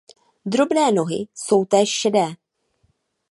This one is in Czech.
Drobné nohy jsou též šedé.